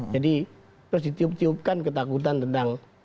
jadi terus ditiup tiupkan ketakutan tentang